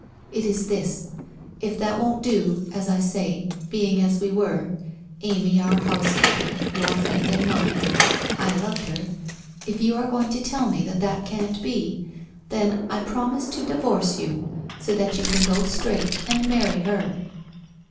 It is this. If that won't do — as I say — being as we were — Amy our housekeeper, your friend and mine — I loved her — if you arc going to tell me that that can't be, then I promise to divorce you, so that you can go straight and marry her.'